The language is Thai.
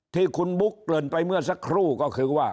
ที่คุณบุ๊กเกริ่นไปเมื่อสักครู่ก็คือว่า